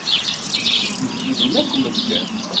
Skidiben akk medden.